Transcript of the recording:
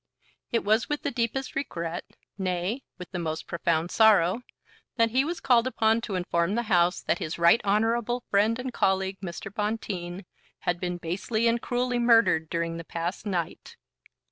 "It was with the deepest regret, nay, with the most profound sorrow, that he was called upon to inform the House that his right honourable friend and colleague, Mr. Bonteen, had been basely and cruelly murdered during the past night."